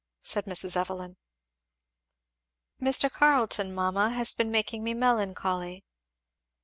said Mrs. Evelyn. "Mr. Carleton, mamma, has been making me melancholy."